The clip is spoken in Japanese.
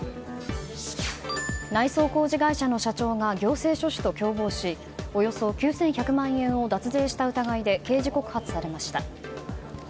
内装工事会社の社長が行政書士と共謀しおよそ９１００万円を脱税した疑いで刑事告発されました。